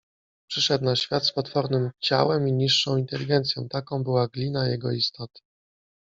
Przyszedł na świat z potwornym ciałem i niższą inteligencją. Taką była glina jego istoty